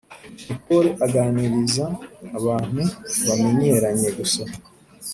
Nicole aganiriza abantu bamenyeranye gusa